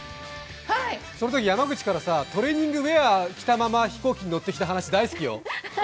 そのとき山口からトレーニングウエアを着たまま飛行機に乗ってきた話、大好きよ。